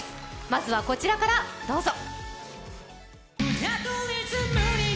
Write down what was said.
まずは、こちらからどうぞ。